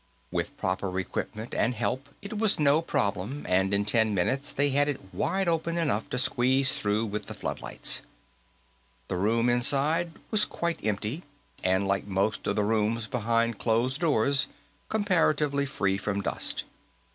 With proper equipment and help, it was no problem and in ten minutes they had it open wide enough to squeeze through with the floodlights. The room inside was quite empty, and, like most of the rooms behind closed doors, comparatively free from dust.